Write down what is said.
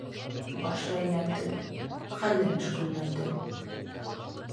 Башы әйләнде, хәле мөшкөлләнде.